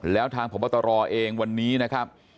แล้วทางพบตรเองวันนี้นะครับ